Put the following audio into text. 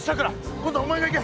今度はお前が行け。